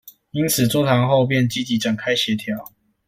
因此座談後便積極展開協調